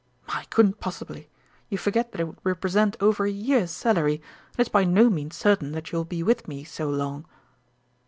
"I couldn't possibly. You forget that it would represent over a year's salary, and it's by no means certain that you will be with me so long."